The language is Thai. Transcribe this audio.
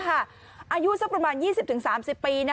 อายุสักประมาณ๒๐๓๐ปี